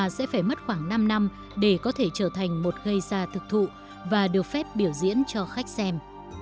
chị ấy sẽ phải mất khoảng năm năm để có thể trở thành một gây xa thực thụ và được phép biểu diễn cho khách xem